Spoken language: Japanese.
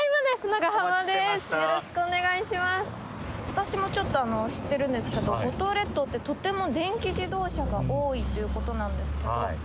私もちょっと知ってるんですけど五島列島ってとても電気自動車が多いということなんですけど。